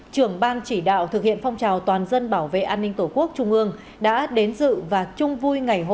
trưởng ban chỉ đạo thực hiện phong trào toàn dân bảo vệ an ninh tổ quốc trung ương đã đến dự và chung vui ngày hội